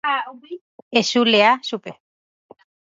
Echulea chupe.